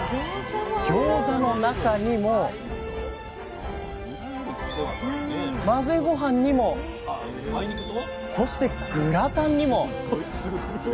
ギョーザの中にも混ぜごはんにもそしてグラタンにも。